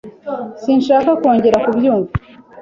Sinshaka kongera kubyumva.